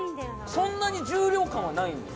そんなに重量感はないんです。